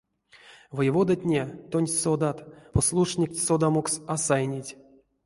Воеводатне, тонсь содат, послушникть содамокс а сайнить.